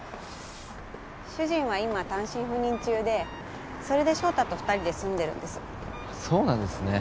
主人は今単身赴任中でそれで翔太と２人で住んでるんですそうなんですね